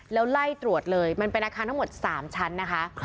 แล้วไล่ตรวจเลยมันเป็นอาคารทั้งหมด๓ชั้นนะคะ